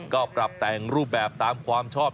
ก็ปรับแต่งรูปแบบตามความชอบ